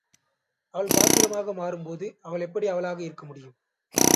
அவள் பாத்திரமாக மாறும்போது அவள் எப்படி அவளாக இருக்க முடியும்.